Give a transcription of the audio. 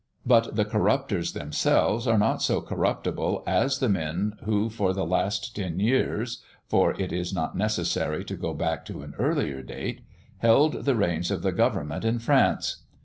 But the corrupters themselves are not so corruptible as the men who for the last ten years for it is not necessary to go back to an earlier date held the reins of the government in France.